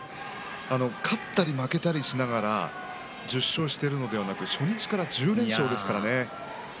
勝ったり負けたりしながら１０勝しているのではなく初日から１０連勝ですからね。